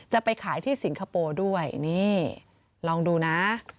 จะไปขายที่สิงคโปร์ด้วยนี่ลองดูนะ